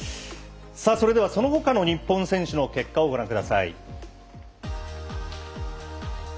それでは、そのほかの日本選手の結果をご覧ください。